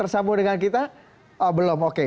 sambung dengan kita belum oke